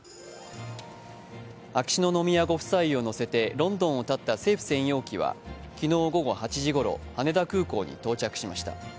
秋篠宮ご夫妻を乗せてロンドンをたった政府専用機は昨日午後８時ごろ羽田空港に到着しました。